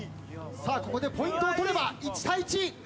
ここでポイントを取れば１対１。